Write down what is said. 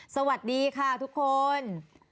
สวัสดีค่ะทุกคน